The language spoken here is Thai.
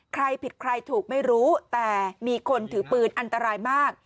ใครผิดใครถูกไม่รู้แต่มีคนถือปืนอันตรายมาก